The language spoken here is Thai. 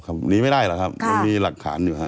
หนีไม่ได้หรอกครับมันมีหลักฐานอยู่ครับ